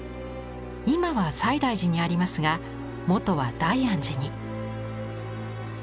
今は西大寺にありますが元は大安寺に。